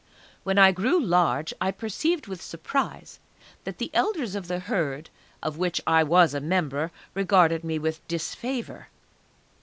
When I grew large I perceived with surprise that the Elders of the Herd of which I was a member regarded me with disfavour.